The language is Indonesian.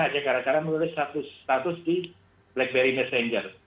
hanya gara gara melulis status status di blackberry messenger